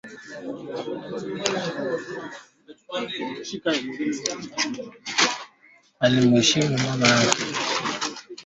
Heshimia fasi ya ibada ya Mungu